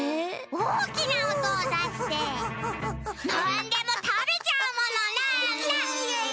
おおきなおとをだしてなんでもたべちゃうものなんだ？